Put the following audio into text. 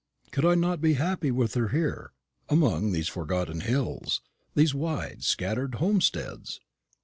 Could I not be happy with her here, among these forgotten hills, these widely scattered homesteads?